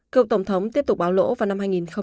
cựu tổng thống tiếp tục báo lỗ vào năm hai nghìn một mươi